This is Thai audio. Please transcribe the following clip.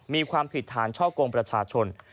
มีความผิดฐานช่อกงประชาชน